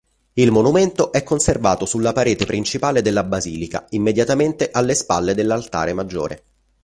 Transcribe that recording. Il monumento è conservato sulla parete principale della basilica, immediatamente alle spalle dell'altare maggiore.